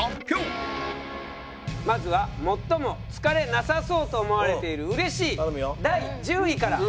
まずは最も疲れなさそうと思われているうれしい第１０位から。